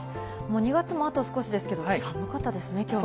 ２月もあと少しですけど、寒かったですね、きょうも。